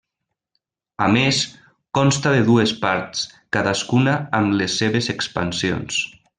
A més, consta de dues parts, cadascuna amb les seves expansions.